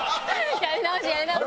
やり直しやり直し。